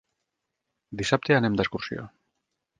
Dissabte anem d'excursió.